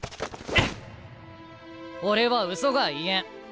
俺はうそが言えん。